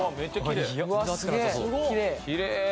きれい。